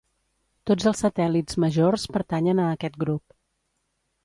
Tots els satèl·lits majors pertanyen a aquest grup.